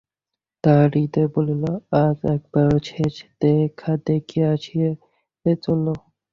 তাহার হৃদয় বলিল, আজ একবার শেষ দেখা দেখিয়া আসিবে চলো।